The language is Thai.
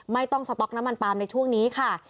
ไม่ต้องสต๊อกน้ำมันปาล์มในช่วงนี้ค่ะ